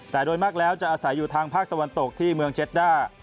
แต่โดยมากแล้วจะอาศัยอยู่ทางภาคตะวันตกที่เมืองเจ็ดด้า